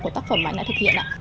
của tác phẩm mà anh đã thực hiện ạ